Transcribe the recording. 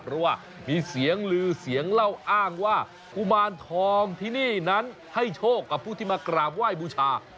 เพราะว่ามีเสียงลือเสียงเล่าอ้างว่ากุมารทองที่นี่นั้นให้โชคกับผู้ที่มากราบไหว้บูชา